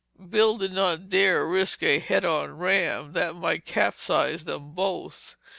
Bill did not dare risk a head on ram. That might capsize them both.